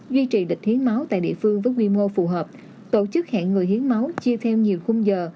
duy trì địch hiến máu tại địa phương với quy mô phù hợp tổ chức hẹn người hiến máu chia theo nhiều khung giờ